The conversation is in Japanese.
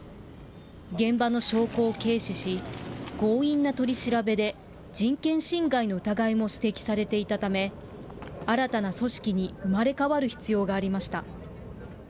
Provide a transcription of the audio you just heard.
現場の証拠を軽視し、強引な取り調べで人権侵害の疑いも指摘されていたため、新たな組織に生まれ変わる必要がありました。